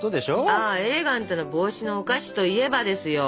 ああエレガントな帽子のお菓子といえばですよ。